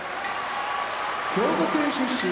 兵庫県出身